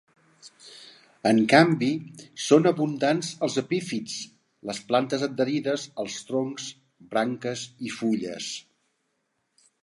En canvi, són abundants els epífits, les plantes adherides als troncs, branques i fulles.